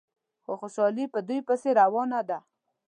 خو خوشحالي په دوی پسې روانه ده.